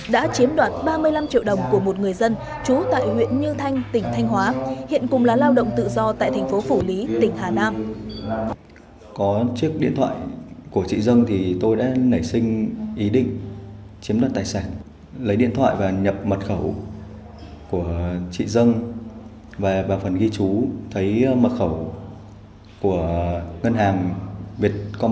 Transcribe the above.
đã chiếm đoạt ba mươi năm triệu đồng của một người dân trú tại huyện như thanh tỉnh thanh hóa hiện cùng là lao động tự do tại thành phố phủ lý tỉnh hà nam